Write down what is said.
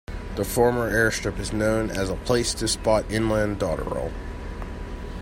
The former airstrip is known as a place to spot inland dotterel.